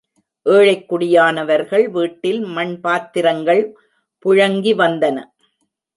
ஏழைக் குடியானவர்கள் வீட்டில் மண்பாத்திரங்கள் புழங்கி வந்தன.